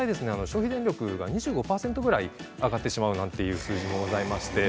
消費電力が２５％ぐらい上がってしまうなんていう数字もございまして。